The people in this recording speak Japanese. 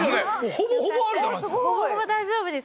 ほぼほぼ大丈夫です。